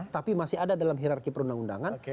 tapi masih ada dalam hirarki perundang undangan